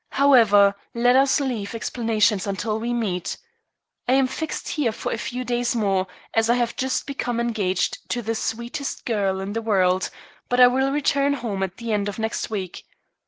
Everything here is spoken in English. However, let us leave explanations until we meet. I am fixed here for a few days more, as I have just become engaged to the sweetest girl in the world, but will return home at the end of next week.